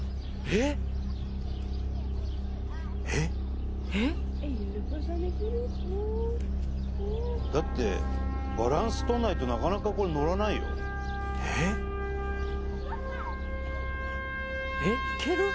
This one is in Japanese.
えっ？だってバランス取んないとなかなかこれのらないよえっいける？